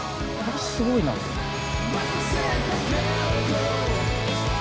すごいなと思って。